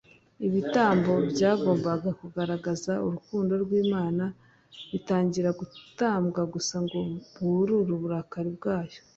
. Ibitambo byagombaga kugaragaza urukundo rw’Imana bitangira gutambwa gusa ngo burure uburakari bwayo